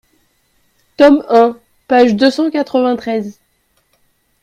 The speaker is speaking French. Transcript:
Tome un, page deux cent quatre-vingt-treize.